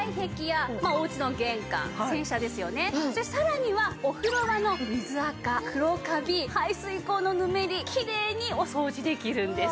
さらにはお風呂場の水あか黒カビ排水口のヌメリきれいにお掃除できるんです。